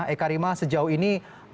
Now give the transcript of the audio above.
eka rima sejauh ini